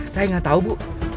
saya nggak tahu bu